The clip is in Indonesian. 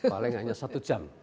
paling hanya satu jam